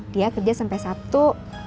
dia kerja sampe sabtu